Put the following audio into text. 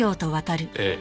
ええ。